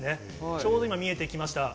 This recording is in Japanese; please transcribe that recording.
ちょうど今見えてきました。